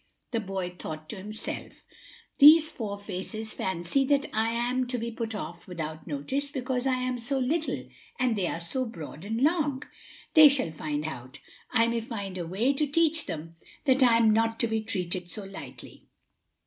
The boy thought to himself: "These four faces fancy that I am to be put off without notice because I am so little and they are so broad and long. They shall find out. I may find a way to teach them that I am not to be treated so lightly."